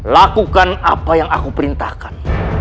lakukan apa yang aku perintahkan